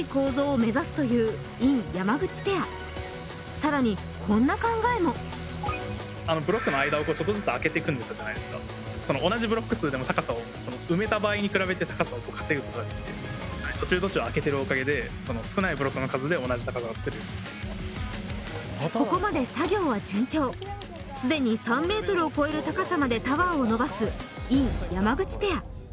さらにこんな考えもブロックの間をちょっとずつ空けていくその同じブロック数でも高さを埋めた場合に比べて高さを稼ぐことができて途中途中空けてるおかげで少ないブロックの数で同じ高さを作るっていうここまで作業は順調すでに３ｍを超える高さまでタワーをのばす尹・山口ペア